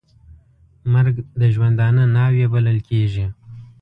مرګ د ژوندانه ناوې بلل کېږي .